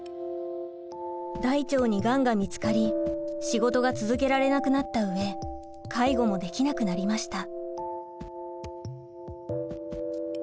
大腸にガンが見つかり仕事が続けられなくなった上介護もできなくなりました。